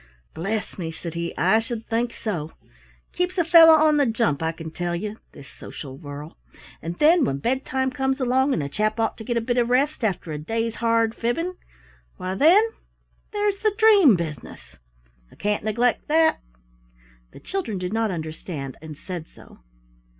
"Bless me," said he, "I should think so! Keeps a fellow on the jump, I can tell you this social whirl. And then, when bedtime comes along and a chap ought to get a bit of rest after a day's hard fibbing, why then there's the dream business. I can't neglect that." The children did not understand and said so.